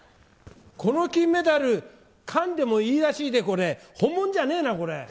この金メダル、かんでもいいらしいで、これ、本物じゃねえな、これ。